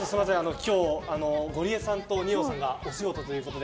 今日ゴリエさんと二葉さんがお仕事ということで。